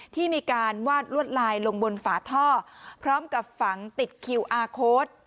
ที่มีการวาดลวดลายลงบนฝาท่อพร้อมกับฝังติดคิวอาร์โค้ด